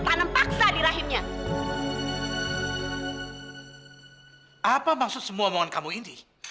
keren sampai kapanpun